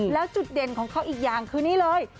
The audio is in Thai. แล้วจุดเด่นของเขาอีกอย่างคือนี่เลย